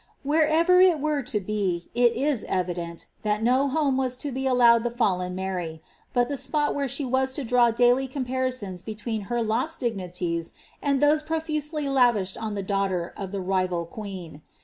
Whererer it were to be, it is evident, that no home was to be allowed the &llen Mary, but the spot where she was to draw daily comparisoni between her lost dignities and those profusely lavished on the daughtei of the rival queen.